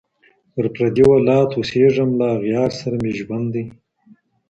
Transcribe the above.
پر پردي ولات اوسېږم له اغیار سره مي ژوند دی